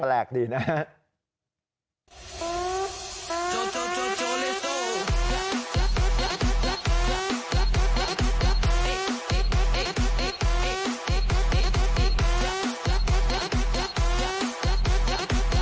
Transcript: แปลกดีนะฮะ